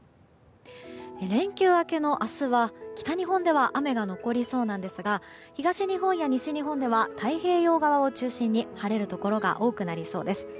連休明けの明日は北日本では雨が残りそうですが東日本や西日本では太平洋側を中心に晴れるところが多くなりそうです。